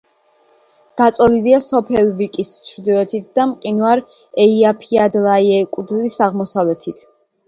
გაწოლილია სოფელ ვიკის ჩრდილოეთით და მყინვარ ეიაფიადლაიეკუდლის აღმოსავლეთით.